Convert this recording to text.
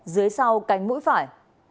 dưới sau cánh mũi phải